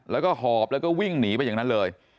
แล้วก็หอบแล้วก็วิ่งหนีไปอย่างนั้นเลย